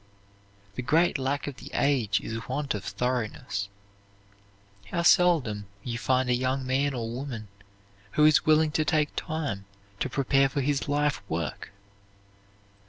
The great lack of the age is want of thoroughness. How seldom you find a young man or woman who is willing to take time to prepare for his life work!